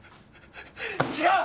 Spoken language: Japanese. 違う！